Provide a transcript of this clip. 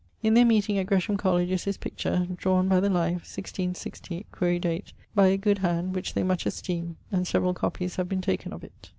In their meeting at Gresham Colledge is his picture, drawen by the life, 166 (quaere date), by a good hand, which they much esteeme, and severall copies have been taken of it.